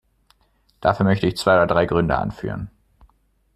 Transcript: Dafür möchte ich zwei oder drei Gründe anführen.